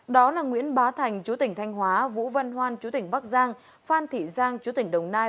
đó là nguyễn bá thành chú tỉnh thanh hóa vũ văn hoan chú tỉnh bắc giang phan thị giang chú tỉnh đồng nai